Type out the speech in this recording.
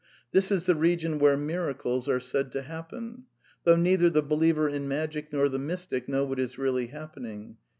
This is the region where " miracles '' are said to happen ; though neither the believer in magic nor the mystic know what is really happening.